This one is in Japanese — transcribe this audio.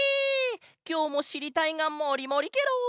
きょうもしりたいがもりもりケロ！